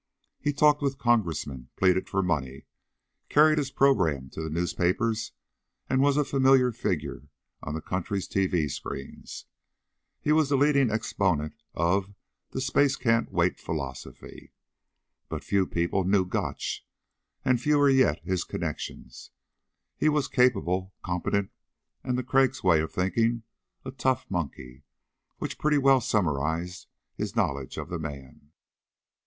He talked with congressmen, pleaded for money, carried his program to the newspapers and was a familiar figure on the country's TV screens. He was the leading exponent of the space can't wait philosophy. But few people knew Gotch; and fewer yet his connections. He was capable, competent, and to Crag's way of thinking, a tough monkey, which pretty well summarized his knowledge of the man.